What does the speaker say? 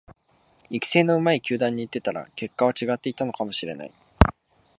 育成の上手い球団に行ってたら結果は違っていたかもしれない